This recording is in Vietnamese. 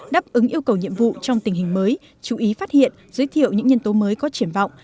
đáp ứng yêu cầu nhiệm vụ trong tình hình mới chú ý phát hiện giới thiệu những nhân tố mới có triển vọng